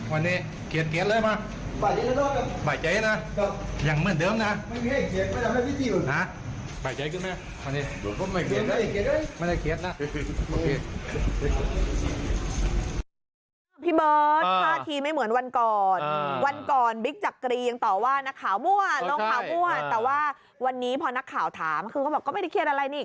ว่าไม่เครียดนะครับเหรอไม่เครียดน่ะบะเง่นบะเง่น